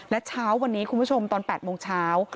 และเช้าวันนี้คุณผู้ชมตอน๘โมงเช้า